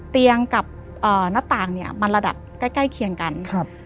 เตียงกับหน้าต่างเนี่ยมันระดับใกล้ใกล้เคียงกันครับ